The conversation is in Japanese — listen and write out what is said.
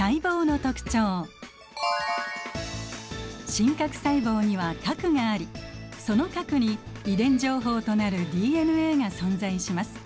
真核細胞には核がありその核に遺伝情報となるＤＮＡが存在します。